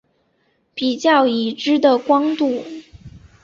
比较已知的光度。